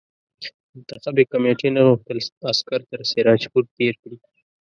منتخبي کمېټې نه غوښتل عسکر تر سراج پور تېر کړي.